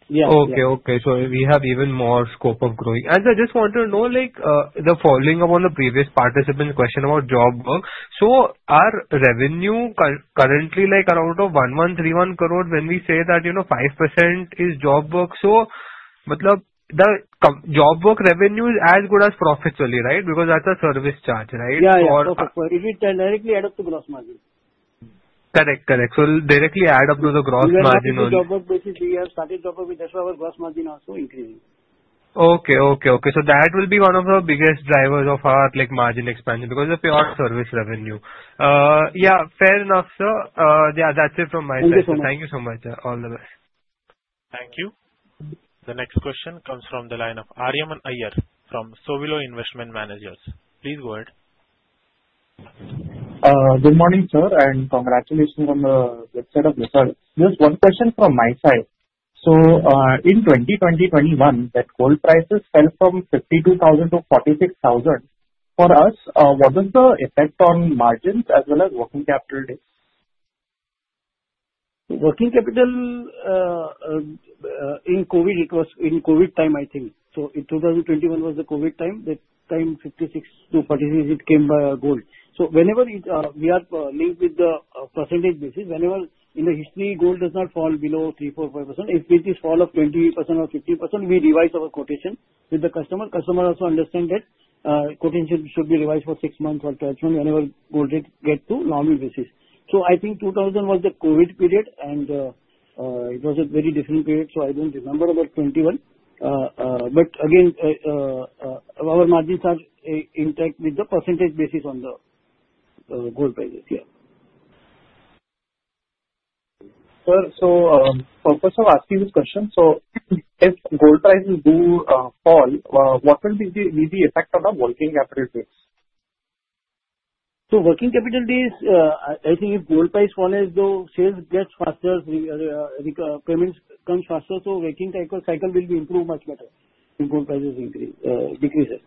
Speaker 3: Yes.
Speaker 14: Okay, okay. We have even more scope of growing. I just want to know, like, the following up on the previous participant question about job work. Our revenue currently, like, around of 1,131 crore, when we say that, you know, 5% is job work, so the job work revenue is as good as profits only, right? Because that's a service charge, right?
Speaker 3: Yeah. It will directly add up to gross margin.
Speaker 14: Correct, correct. It will directly add up to the gross margin only.
Speaker 3: We have started job work, basically we have started job work, that's why our gross margin also increasing.
Speaker 14: Okay, okay. That will be one of the biggest drivers of our, like, margin expansion, because of your service revenue. Yeah, fair enough, sir. Yeah, that's it from my side.
Speaker 3: Thank you so much.
Speaker 14: Thank you so much, sir. All the best.
Speaker 1: Thank you. The next question comes from the line of Aryaman Iyer from Sowilo Investment Managers. Please go ahead.
Speaker 15: Good morning, sir. Congratulations on the good set of results. Just one question from my side. In 2020, 2021, that gold prices fell from 52,000 to 46,000. For us, what is the effect on margins as well as working capital days?
Speaker 3: Working capital in COVID, it was in COVID time, I think. In 2021 was the COVID time, that time 56-46, it came by gold. Whenever it, we are linked with the percentage basis, whenever in the history, gold does not fall below 3%, 4%, 5%. If it is fall of 20% or 50%, we revise our quotation with the customer. Customer also understand that quotation should be revised for 6 months or 12 months whenever gold rate get to normal basis. I think 2000 was the COVID period, and it was a very different period, so I don't remember about 21. But again, our margins are intact with the percentage basis on the gold prices. Yeah.
Speaker 15: Sir, purpose of asking this question, so if gold prices do fall, what will be the effect on our working capital base?
Speaker 3: Working capital days, I think if gold price fall as though sales gets faster, payments come faster, so working capital cycle will be improved much better if gold prices increase, decreases.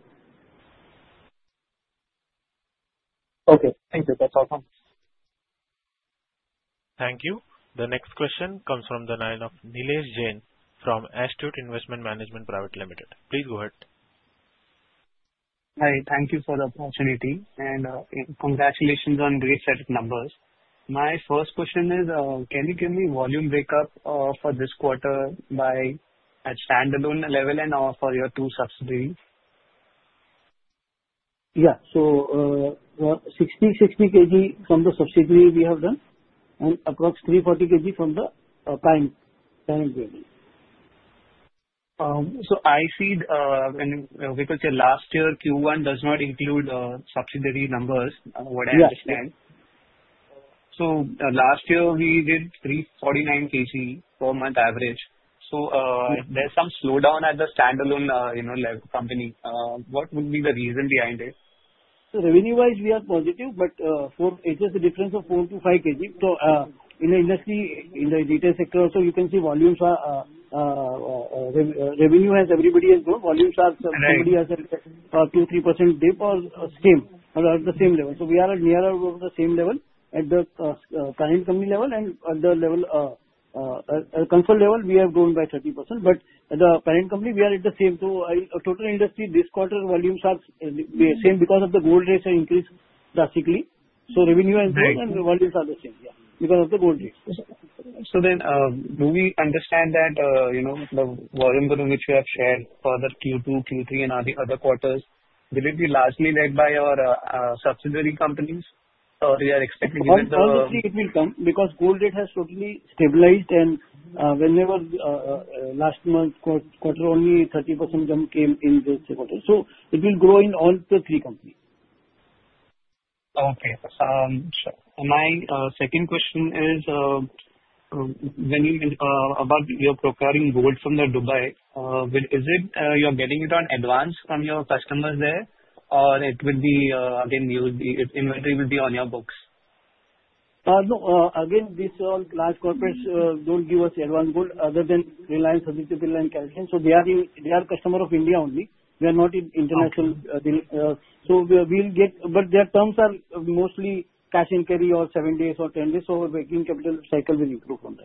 Speaker 15: Okay, thank you. That's all from.
Speaker 1: Thank you. The next question comes from the line of Nilesh Jain from Astute Investment Management Private Limited. Please go ahead.
Speaker 16: Hi, thank you for the opportunity and, congratulations on great set of numbers. My first question is, can you give me volume breakup, for this quarter by at standalone level and, for your two subsidiaries?
Speaker 3: Yeah. 60 kg from the subsidiary we have done, and approx 340 kg from the parent company.
Speaker 16: I see, when, we can say last year, Q1 does not include, subsidiary numbers, from what I understand.
Speaker 3: Yeah.
Speaker 16: Last year we did 349 kg per month average. There's some slowdown at the standalone, you know, level company. What would be the reason behind it?
Speaker 3: Revenue-wise, we are positive, but. It's just a difference of 4 to 5 kg. In the industry, in the data sector also, you can see volumes are, revenue, as everybody has grown, volumes are.
Speaker 16: Right.
Speaker 3: Somebody has 2-3% dip or same, or at the same level. We are at near about the same level, at the parent company level and at the level at console level. We have grown by 30%, but the parent company, we are at the same. Total industry, this quarter volumes are the same because of the gold rates are increased drastically.
Speaker 16: Right.
Speaker 3: Revenue and volumes are the same, yeah, because of the gold rates.
Speaker 16: Do we understand that, you know, the volume growth which you have shared for the Q2, Q3 and all the other quarters, will it be largely led by your subsidiary companies, or we are expecting?
Speaker 3: All the three it will come, because gold rate has totally stabilized. Whenever, last month, quarter, only 30% jump came in this quarter, so it will grow in all the three companies.
Speaker 16: Okay. My second question is, when you mention about you're procuring gold from the Dubai, Is it you're getting it on advance from your customers there, or it will be, again, the inventory will be on your books?
Speaker 3: No, again, these all large corporates don't give us advance gold other than Reliance, Aditya Birla, and Nickelodeon. They are the customer of India only. They are not in international deal.
Speaker 16: Okay.
Speaker 3: We'll get, but their terms are mostly cash and carry, or 7 days or 10 days, so working capital cycle will improve on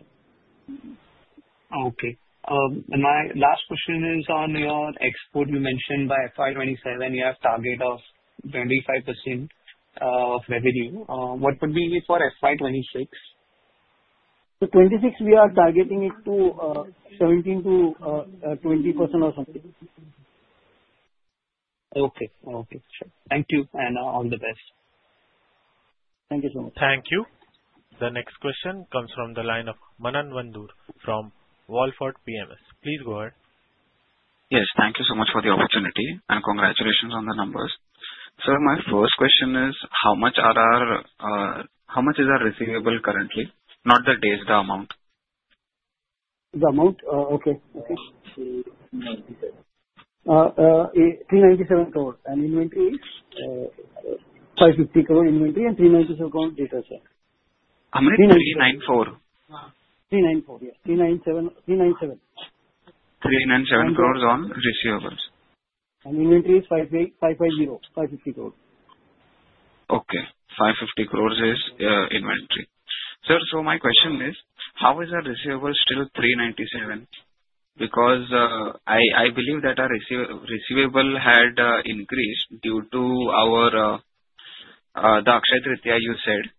Speaker 3: that.
Speaker 16: My last question is on your export. You mentioned by FY 2027, you have target of 25% of revenue. What would be it for FY 2026?
Speaker 3: 26, we are targeting it to 17%-20% or something.
Speaker 16: Okay. Okay, sure. Thank you, and all the best.
Speaker 3: Thank you so much.
Speaker 1: Thank you. The next question comes from the line of Manan Bandhu, from Wolford PMS. Please go ahead.
Speaker 17: Yes, thank you so much for the opportunity, and congratulations on the numbers. My first question is, how much are our, how much is our receivable currently? Not the days, the amount.
Speaker 3: The amount? Okay. 397 crore, and inventory is 550 crore inventory and 397 crore data set.
Speaker 17: How much? 394.
Speaker 3: 394, yes. 397.
Speaker 17: 397 crores on receivables.
Speaker 3: Inventory is 58,550.550 crores.
Speaker 17: Okay, 550 crores is inventory. Sir, my question is: How is our receivable still 397? I believe that our receivable had increased due to our Akshaya Tritiya, you said.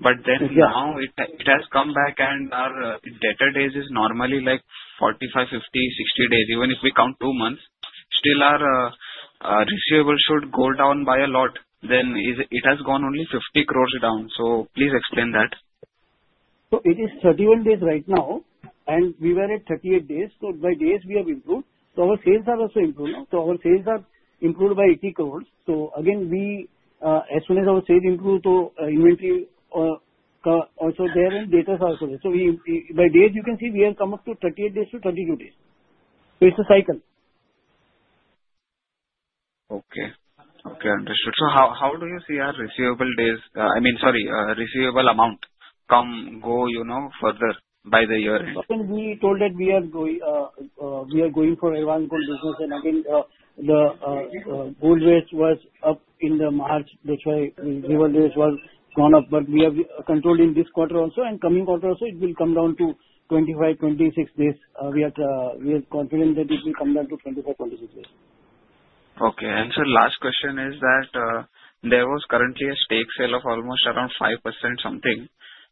Speaker 3: Yeah.
Speaker 17: Now it has come back and our debtor days is normally like 45, 50, 60 days. Even if we count 2 months, still our receivable should go down by a lot, it has gone only 50 crores down. Please explain that.
Speaker 3: It is 31 days right now, and we were at 38 days, so by days we have improved. Our sales are also improved now, so our sales are improved by 80 crores. Again, we as soon as our sales improve, so inventory also there, and debtors also. We by days you can see we have come up to 38 days to 22 days. It's a cycle.
Speaker 17: Okay, understood. How do you see our receivable days, I mean, sorry, receivable amount come, go, you know, further by the year end?
Speaker 3: We told that we are going for advance gold business. Again, the gold rates was up in the March, that's why the payable days was gone up. We have controlled in this quarter also, and coming quarter also, it will come down to 25-26 days. We are confident that it will come down to 25-26 days.
Speaker 17: Okay. Sir, last question is that, there was currently a stake sale of almost around 5% something.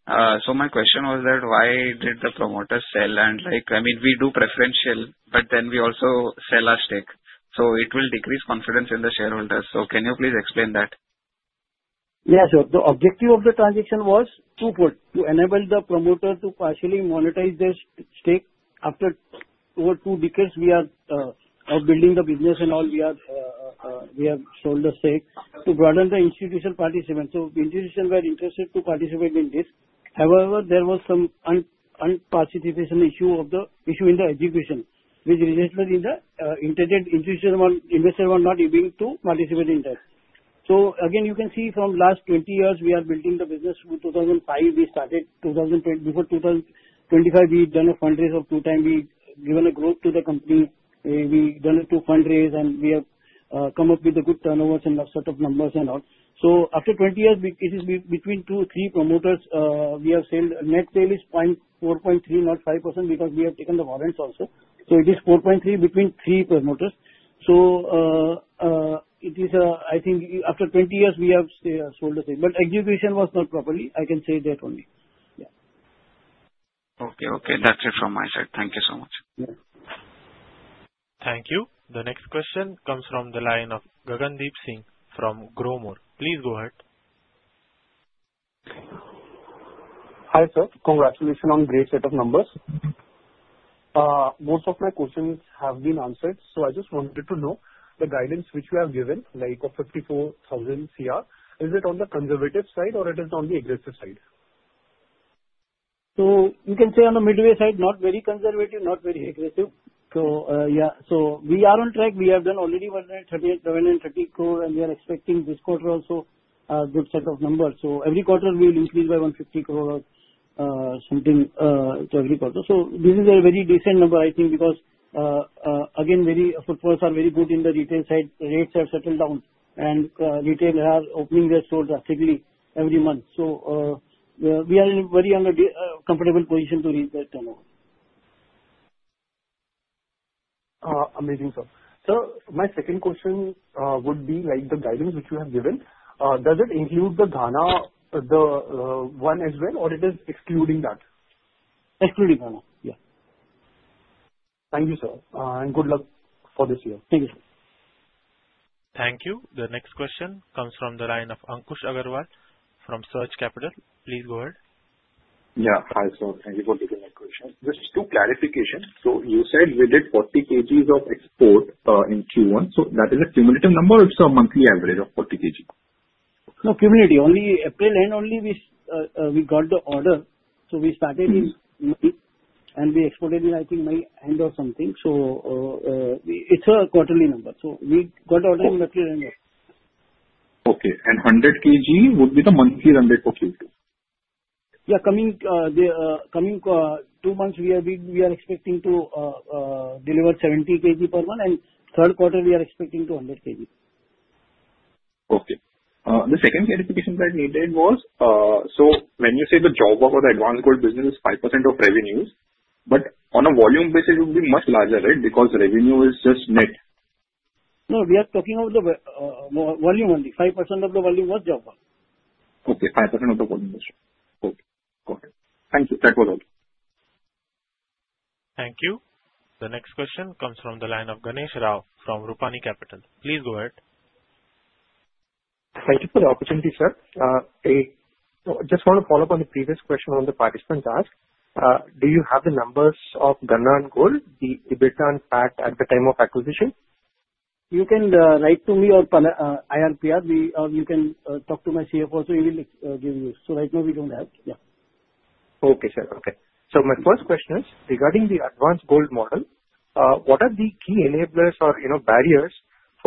Speaker 17: My question was that why did the promoter sell? Like, I mean, we do preferential, but then we also sell our stake, so it will decrease confidence in the shareholders. Can you please explain that?
Speaker 3: Yeah, sure. The objective of the transaction was twofold: To enable the promoter to partially monetize their stake after over two decades we are building the business and all, we have sold the stake to broaden the institutional participants. Institutional were interested to participate in this. However, there was some unparticipation issue in the acquisition, which resulted in the intended institutional investor were not able to participate in that. Again, you can see from last 20 years, we are building the business. From 2005 we started, 2010, before 2025, we've done a fundraise of 2 times. We've given a growth to the company. We done it to fundraise, and we have come up with a good turnovers and a set of numbers and all. After 20 years, we, it is between 2, 3 promoters, we have sold. Net sale is 4.3, not 5%, because we have taken the warrants also. It is 4.3 between 3 promoters. It is, I think after 20 years we have sold the thing, but acquisition was not properly. I can say that only. Yeah.
Speaker 17: Okay, okay. That's it from my side. Thank you so much.
Speaker 3: Yeah.
Speaker 1: Thank you. The next question comes from the line of Gagandeep Singh from Growmore. Please go ahead.
Speaker 18: Hi, sir. Congratulations on great set of numbers. Most of my questions have been answered. I just wanted to know the guidance which you have given, like of 54,000 crore, is it on the conservative side or it is on the aggressive side?
Speaker 3: You can say on the midway side, not very conservative, not very aggressive. Yeah. We are on track. We have done already 138.73 crore and we are expecting this quarter also a good set of numbers. Every quarter we increase by 150 crore something to every quarter. This is a very decent number, I think, because again, footfalls are very good in the retail side, rates have settled down, and retail are opening their stores actively every month. We are in a very comfortable position to reach that turnover.
Speaker 18: Amazing, sir. Sir, my second question, would be like the guidance which you have given, does it include Ganna Gold, the, one as well, or it is excluding that?
Speaker 3: Excluding Ghana, yeah.
Speaker 18: Thank you, sir. Good luck for this year. Thank you, sir.
Speaker 1: Thank you. The next question comes from the line of Ankush Agrawal from Surge Capital. Please go ahead.
Speaker 19: Yeah. Hi, sir, thank you for taking my question. Just two clarifications. You said we did 40 kgs of export in Q1. That is a cumulative number, or it's a monthly average of 40 kg?
Speaker 3: No, cumulative. Only April end only we got the order. We started. May, and we exported in, I think, May end or something. It's a quarterly number. We got order in the previous...
Speaker 19: Okay. 100 kg would be the monthly run rate for Q2?
Speaker 3: Coming two months, we are expecting to deliver 70 kg per month. Third quarter, we are expecting to 100 kg.
Speaker 19: Okay. The second clarification that I needed was, so when you say the job or the advanced gold business is 5% of revenues, but on a volume basis, it will be much larger, right? Because revenue is just net.
Speaker 3: No, we are talking about the volume only. 5% of the volume was job one.
Speaker 19: Okay, 5% of the volume was job. Okay, got it. Thank you. Thank you for that.
Speaker 1: Thank you. The next question comes from the line of Ganesh Rao from Rupani Capital. Please go ahead.
Speaker 20: Thank you for the opportunity, sir. I just want to follow up on the previous question one of the participants asked. Do you have the numbers of Ganna Gold, the EBITDA and PAT at the time of acquisition?
Speaker 3: You can write to me or Palak, IRPR. You can talk to my CFO also, he will give you. Right now we don't have. Yeah.
Speaker 20: Okay, sir. Okay. My first question is regarding the advance gold model. What are the key enablers or, you know,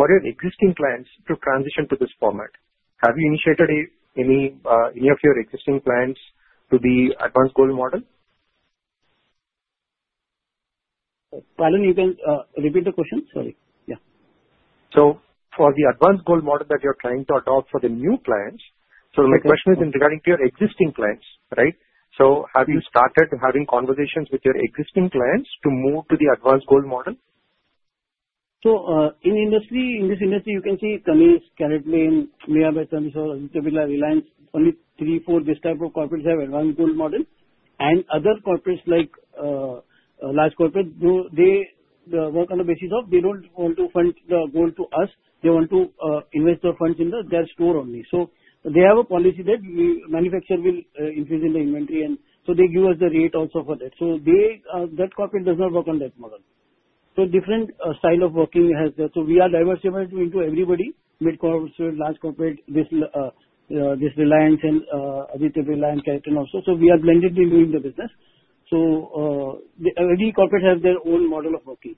Speaker 20: barriers for your existing clients to transition to this format? Have you initiated any of your existing clients to the advance gold model?
Speaker 3: Palan, you can repeat the question. Sorry. Yeah.
Speaker 20: For the advance gold model that you're trying to adopt for the new clients, my question is in regarding to your existing clients, right? Have you started having conversations with your existing clients to move to the advance gold model?
Speaker 3: In industry, in this industry, you can see Kalyan, CaratLane, Mia by Tanishq, and similar Reliance. Only 3, 4, this type of corporates have advanced gold model. Other corporates like large corporates, they work on the basis of they don't want to fund the gold to us. They want to invest their funds in their store only. They have a policy that we manufacturer will increase in the inventory, they give us the rate also for that. They, that corporate does not work on that model. Different style of working has there. We are diversifying into everybody, mid corporates, large corporate, this Reliance and Aditya Birla Group, CaratLane also. We are blended in doing the business. Every corporate has their own model of working.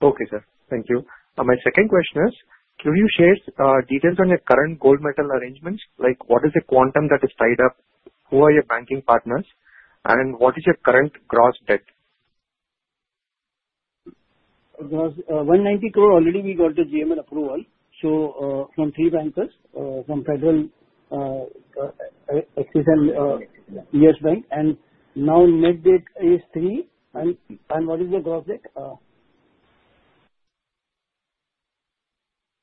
Speaker 20: Okay, sir. Thank you. My second question is: could you share details on your current gold metal arrangements, like what is the quantum that is tied up? Who are your banking partners, and what is your current gross debt?
Speaker 3: 190 crore already we got the GML approval, from 3 bankers, from Federal, Axis and Yes Bank. Now net debt is 3. What is the gross debt?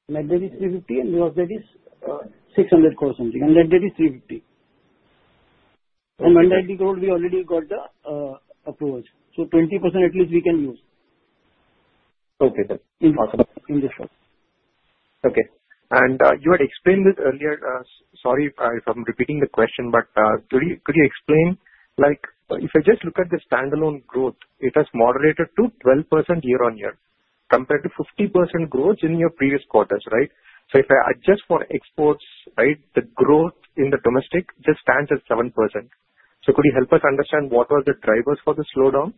Speaker 3: Net debt is 350, and gross debt is 600 crore something. Net debt is 350.
Speaker 20: Okay.
Speaker 3: 190 crore we already got the approval. 20% at least we can use.
Speaker 20: Okay, sir.
Speaker 3: In this one.
Speaker 20: Okay. You had explained it earlier, sorry if I'm repeating the question, but could you, could you explain, like, if I just look at the standalone growth, it has moderated to 12% year-on-year, compared to 50% growth in your previous quarters? If I adjust for exports, the growth in the domestic just stands at 7%. Could you help us understand what were the drivers for the slowdown?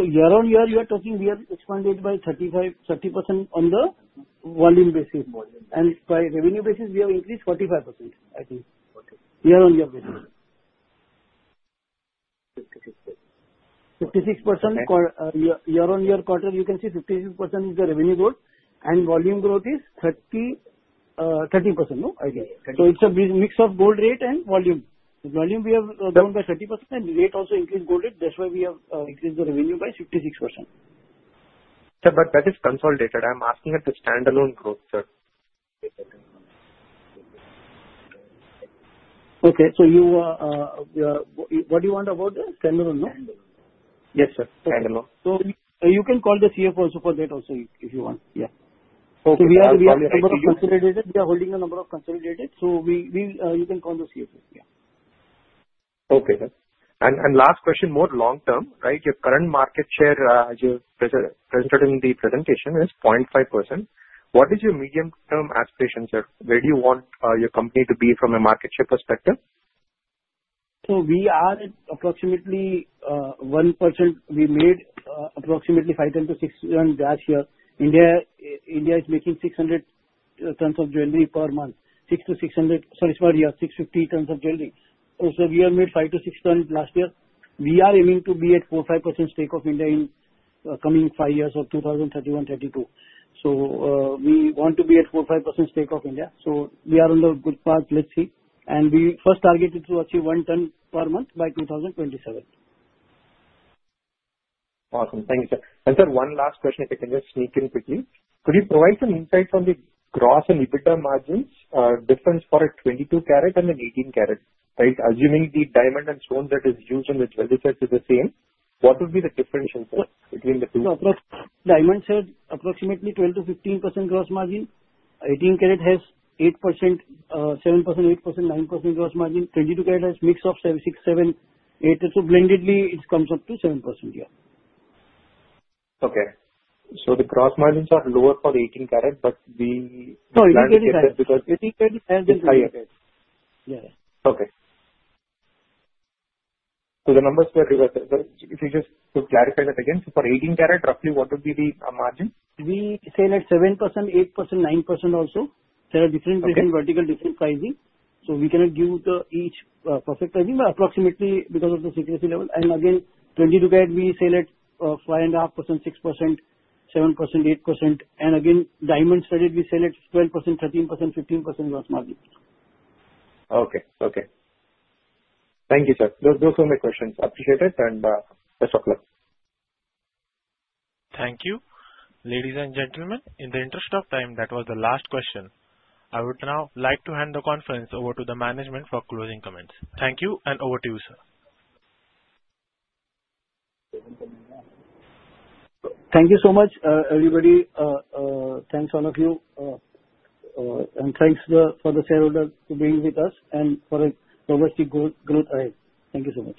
Speaker 3: year-over-year, you are talking, we have expanded by 35, 30% on the volume basis.
Speaker 20: Volume.
Speaker 3: by revenue basis, we have increased 45%, I think. Okay. Year-over-year basis. 56% year-over-year quarter, you can see 56% is the revenue growth and volume growth is 30%, no, I think. Thirty. It's a big mix of gold rate and volume. Volume we have down by 30%, and rate also increased gold rate. That's why we have increased the revenue by 56%.
Speaker 20: Sir, that is consolidated. I'm asking at the standalone growth, sir.
Speaker 3: Okay. You, what do you want about the standalone, no?
Speaker 20: Yes, sir. Standalone.
Speaker 3: You can call the CFO also for that also if you want. Yeah.
Speaker 20: Okay.
Speaker 3: We are holding a number of consolidated. We are holding a number of consolidated, so we, you can call the CFO. Yeah.
Speaker 20: Okay, sir. Last question, more long term, right? Your current market share, as you presented in the presentation is 0.5%. What is your medium-term aspiration, sir? Where do you want your company to be from a market share perspective?
Speaker 3: We are at approximately 1%. We made approximately 5 ton to 6 ton last year. India is making 600 tons of jewelry per month. 650 tons of jewelry. We have made 5 to 6 ton last year. We are aiming to be at 4, 5% stake of India in coming 5 years or 2031, 2032. We want to be at 4, 5% stake of India. We are on the good path. Let's see. We first targeted to achieve 1 ton per month by 2027.
Speaker 20: Awesome. Thank you, sir. Sir, one last question, if I can just sneak in quickly. Could you provide some insight on the gross and EBITDA margins, difference for a 22-carat and an 18 karat, right? Assuming the diamond and stone that is used on the jewelry set is the same, what would be the difference in, sir, between the two?
Speaker 3: Of course, diamond set, approximately 12%-15% gross margin. 18 karat has 8%, 7%, 8%, 9% gross margin. 22-carat has mix of 7, 6, 7, 8. Blendedly, it comes up to 7%. Yeah.
Speaker 20: Okay. The gross margins are lower for the 18 karat, but.
Speaker 3: No, 18 karat-.
Speaker 20: Because-
Speaker 3: 18 karat.
Speaker 20: Is higher.
Speaker 3: Yeah.
Speaker 20: Okay. The numbers were reversed. If you just could clarify that again, for 18 karat, roughly, what would be the margin?
Speaker 3: We sell at 7%, 8%, 9% also.
Speaker 20: Okay.
Speaker 3: There are different vertical, different pricing. We cannot give the each perfect pricing, but approximately because of the secrecy level. 22-carat, we sell at 5.5%, 6%, 7%, 8%. Diamond-studded, we sell at 12%, 13%, 15% gross margin.
Speaker 20: Okay. Thank you, sir. Those were my questions. Appreciate it, best of luck.
Speaker 1: Thank you. Ladies and gentlemen, in the interest of time, that was the last question. I would now like to hand the conference over to the management for closing comments. Thank you, and over to you, sir.
Speaker 3: Thank you so much, everybody. Thanks all of you. Thanks for the shareholders for being with us and for a progressively good growth ahead. Thank you so much.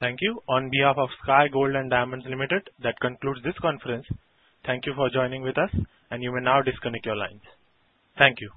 Speaker 1: Thank you. On behalf of Sky Gold and Diamonds Limited, that concludes this conference. Thank you for joining with us, and you may now disconnect your lines. Thank you.